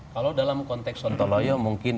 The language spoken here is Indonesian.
kalau dalam konteks sontoloyo mungkin